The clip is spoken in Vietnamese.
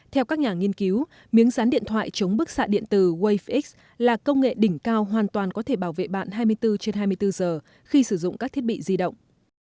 theo các nhà nghiên cứu miếng rán điện thoại chống bức xạ điện tử waze x là công nghệ đỉnh cao hoàn toàn có thể bảo vệ bạn hai mươi bốn trên hai mươi bốn giờ khi sử dụng các thiết bị di động